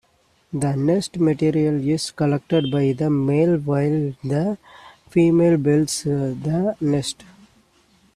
The nest material is collected by the male while the female builds the nest.